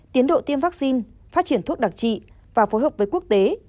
tiến độ tiêm vaccine phát triển thuốc đặc trị và phối hợp với quốc tế